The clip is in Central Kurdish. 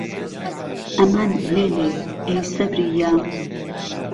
ئەمان لێلێ ئەی سەبرییە